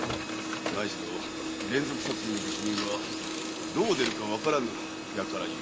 何しろ連続殺人の下手人はどう出るかわからぬ輩ゆえな。